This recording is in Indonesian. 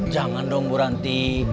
jangan dong bu ranti